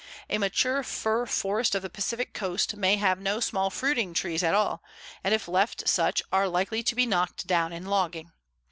A mature fir forest of the Pacific coast may have no small fruiting trees at all, and if left such are likely to be knocked down in logging.